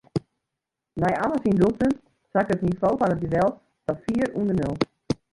Nei Anne syn doelpunt sakke it nivo fan it duel ta fier ûnder nul.